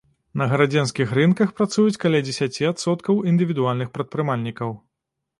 На гарадзенскіх рынках працуюць каля дзесяці адсоткаў індывідуальных прадпрымальнікаў.